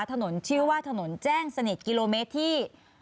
ถนนชื่อว่าถนนแจ้งสนิทกิโลเมตรที่